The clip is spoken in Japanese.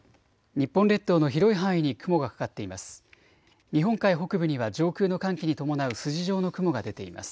日本列島の広い範囲に雲がかかっています。